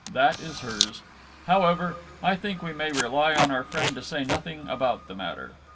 That is hers. However, I think, we may rely on our friend to say nothing about the matter....